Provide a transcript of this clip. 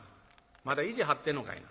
「また意地張ってんのかいな。